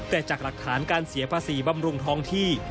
แต่จากหลักฐานการเสียภาษีบำรุงท้องที่